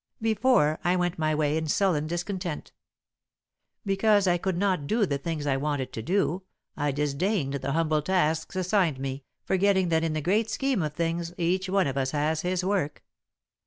"Before, I went my way in sullen discontent. Because I could not do the things I wanted to do, I disdained the humble tasks assigned me, forgetting that in the great scheme of things each one of us has his work.